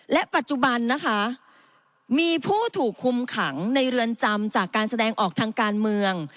และปัจจุบันนะคะมีผู้ถูกคุมขังในเรือนจำจากการแสดงออกทางการเมือง